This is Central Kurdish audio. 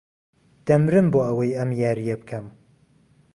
دەمرم بۆ ئەوەی ئەم یارییە بکەم.